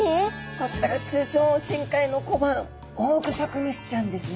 こちらが通称深海の小判オオグソクムシちゃんですね。